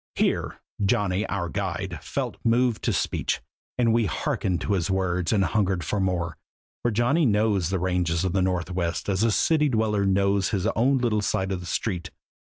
Here, Johnny, our guide, felt moved to speech, and we hearkened to his words and hungered for more, for Johnny knows the ranges of the Northwest as a city dweller knows his own little side street.